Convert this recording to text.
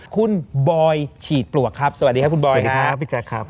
คุณบอยฉีดปลวกครับสวัสดีครับคุณบอยสวัสดีครับพี่แจ๊คครับ